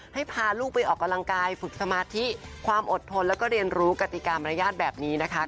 ให้พาลูกไปออกกำลังกายฝึกสมาธิความอดทนแล้วก็เรียนรู้กติกรรมรยาทแบบนี้นะคะ